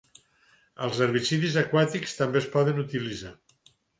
Els herbicides aquàtics també es poden utilitzar.